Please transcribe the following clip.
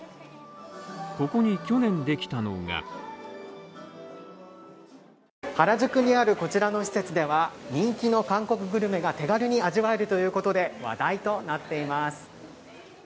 ここに去年できたのが原宿にあるこちらの施設では人気の韓国グルメが手軽に味わえるということで話題となっています。